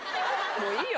もういいわ。